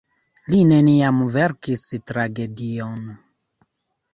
Li neniam verkis tragedion.